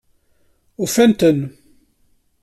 Ufant-ten?